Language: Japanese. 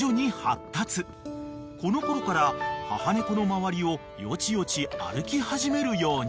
［このころから母猫の周りをよちよち歩き始めるように］